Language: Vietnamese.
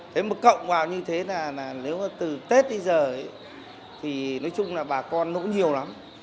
thế mà cộng vào như thế là nếu từ tết đi giờ thì nói chung là bà con nó cũng nhiều lắm